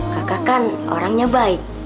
kakak kan orangnya baik